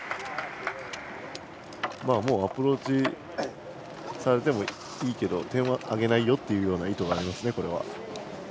もうアプローチされてもいいけど点はあげないよという意図がありますね。